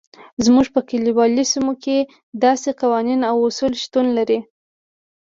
زموږ په کلیوالو سیمو کې داسې قوانین او اصول شتون لري.